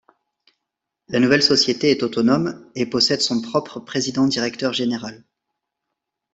La nouvelle société est autonome et possède son propre président-directeur général.